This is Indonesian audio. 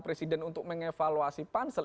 presiden untuk mengevaluasi pansel